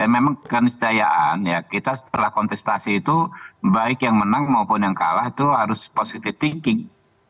memang kemencayaan ya kita setelah kontestasi itu baik yang menang maupun yang kalah itu harus positive thinking